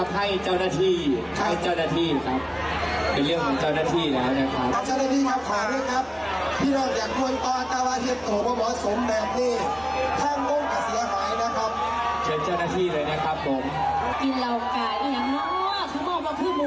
ให้เจ้าหน้าที่เป็นเรื่องของเจ้าหน้าที่นะครับ